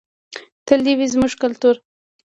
تل دې وي زموږ کلتور.